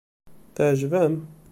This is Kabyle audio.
Teɛjeb-am?